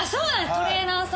トレーナーさん？